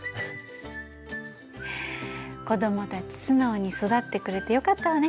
子どもたち素直に育ってくれてよかったわね。